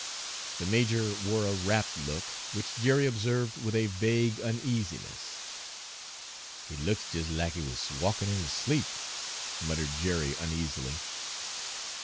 The major wore a rapt look, which Jerry observed with a vague uneasiness. "He looks jes' lack he wuz walkin' in his sleep," muttered Jerry uneasily.